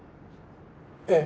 ええ。